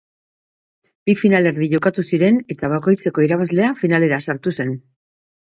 Bi finalerdi jokatu ziren eta bakoitzeko irabazlea finalera sartu zen.